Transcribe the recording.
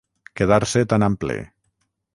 Quedar-se tan ample.